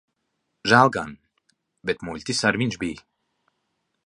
Žēl gan. Bet muļķis ar viņš bij.